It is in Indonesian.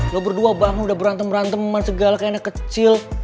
lo berdua bangun udah berantem berantem segala kayak anak kecil